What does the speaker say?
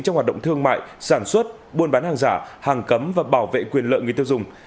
trong hoạt động thương mại sản xuất buôn bán hàng giả hàng cấm và bảo vệ quyền lợi người tiêu dùng